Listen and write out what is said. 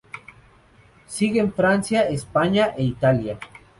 Siguen Francia, España e Italia.